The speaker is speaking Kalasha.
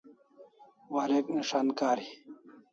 Warek nis'an kari